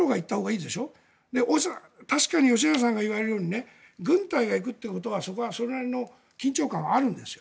確かに吉永さんが言われるように軍隊が行くということはそこはそれなりの緊張感はあるんですよ。